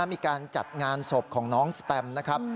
มีการจัดงานศพของน้องสแตมนะครับ